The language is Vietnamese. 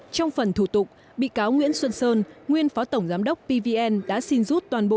trong phần thủ tục bị cáo nguyễn xuân sơn nguyên phó tổng giám đốc pvn đã xin rút toàn bộ